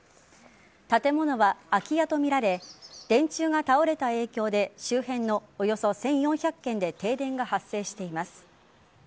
建物は空き家とみられ電柱が倒れた影響で周辺のおよそ１４００軒で停電が発生しています。